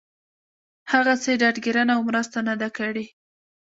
هغسې ډاډ ګيرنه او مرسته نه ده کړې